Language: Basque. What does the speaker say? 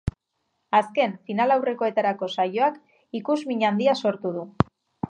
Azken finalaurrekoetarako saioak ikusmina handia sortu du.